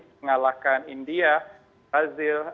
mengalahkan india brazil amerika dan negara negara lain